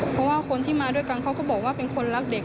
เพราะว่าคนที่มาด้วยกันเขาก็บอกว่าเป็นคนรักเด็ก